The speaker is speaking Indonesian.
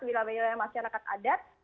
wilayah wilayah masyarakat adat